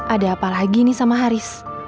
ada apa lagi nih sama haris